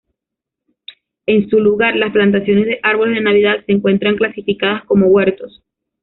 En su lugar, las plantaciones de árboles de Navidad se encuentran clasificadas como huertos.